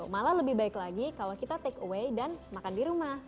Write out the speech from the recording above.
malah lebih baik lagi kalau kita take away dan makan di rumah